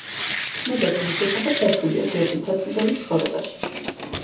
ცნობები მის შესახებ დაცულია „გიორგი მთაწმიდელის ცხოვრებაში“.